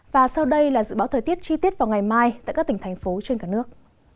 và sau đây là dự báo thời tiết chi tiết vào ngày mai tại các tỉnh thành phố trên cả nước